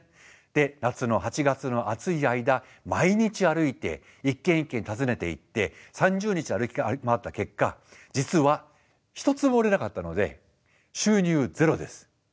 で夏の８月の暑い間毎日歩いて一軒一軒訪ねていって３０日歩き回った結果実は一つも売れなかったので収入ゼロです。